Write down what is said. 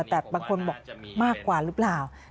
แต่บางคนบอกมากกว่าหรือเปล่า